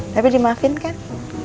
tapi dimaafin kan